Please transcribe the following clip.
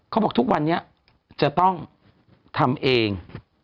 เขาบอกทุกวันนี้จะต้องทำเอง